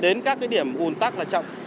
đến các cái điểm ùn tắc là chậm